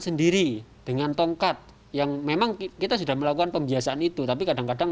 sendiri dengan tongkat yang memang kita sudah melakukan pembiasaan itu tapi kadang kadang